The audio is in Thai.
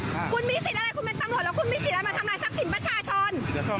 แล้วคุณมีสิทธิ์อะไรมาทำลายซับสิ่งประชาชน